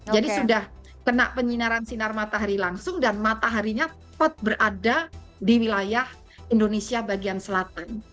jadi sudah kena penyinaran sinar matahari langsung dan mataharinya tepat berada di wilayah indonesia bagian selatan